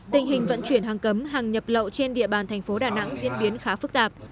tình hình vận chuyển hàng cấm hàng nhập lậu trên địa bàn thành phố đà nẵng diễn biến khá phức tạp